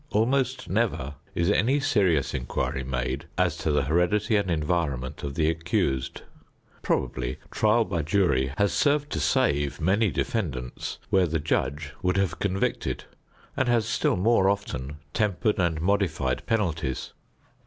Almost never is any serious inquiry made as to the heredity and environment of the accused. Probably trial by jury has served to save many defendants where the judge would have convicted, and has still more often tempered and modified penalties.